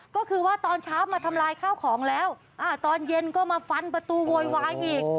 ก็คือว่าตอนเช้ามาทำลายข้าวของแล้วตอนเย็นก็มาฟันประตูโวยวายอีก